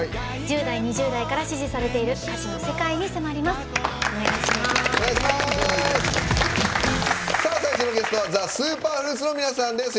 １０代、２０代から支持されている歌詞の世界に迫ります。